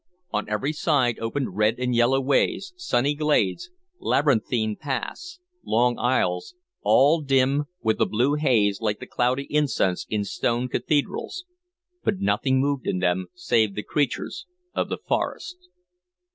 On every side opened red and yellow ways, sunny glades, labyrinthine paths, long aisles, all dim with the blue haze like the cloudy incense in stone cathedrals, but nothing moved in them save the creatures of the forest.